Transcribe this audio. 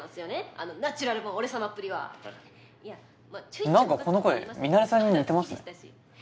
あのナチュラルボーン・俺様っぷりは」なんかこの声ミナレさんに似てますね。